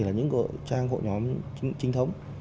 là những trang hội nhóm trinh thống